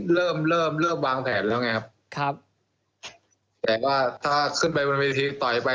เริ่มเริ่มเริ่มวางแผนแล้วไงครับครับแต่ว่าถ้าขึ้นไปบนเวทีต่อยไป